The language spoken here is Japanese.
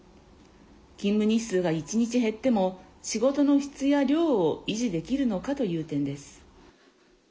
勤務日数が１日減っても仕事の質や量を維持できるのかという点です。